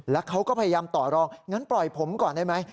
แล้วเขาก็พยายามต่อรองงั้นปล่อยผมก่อนได้ไหม